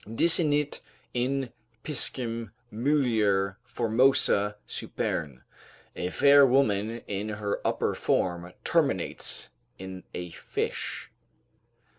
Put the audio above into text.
"Desinit in piscem mulier formosa superne." ["A fair woman in her upper form terminates in a fish."